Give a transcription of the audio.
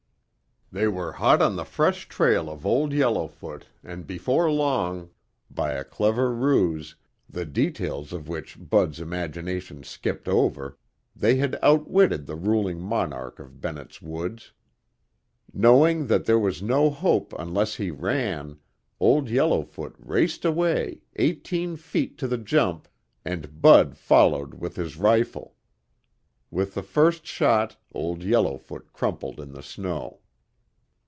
They were hot on the fresh trail of Old Yellowfoot and before long by a clever ruse, the details of which Bud's imagination skipped over they had outwitted the ruling monarch of Bennett's Woods. Knowing that there was no hope unless he ran, Old Yellowfoot raced away, eighteen feet to the jump, and Bud followed with his rifle. With the first shot Old Yellowfoot crumpled in the snow.